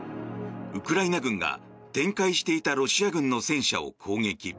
ウクライナ軍が展開していたロシア軍の戦車を攻撃。